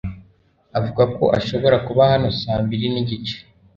avuga ko ashobora kuba hano saa mbiri nigice